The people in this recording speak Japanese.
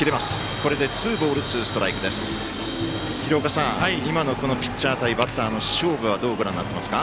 廣岡さん、今のピッチャー対バッターの勝負はどうご覧になっていますか？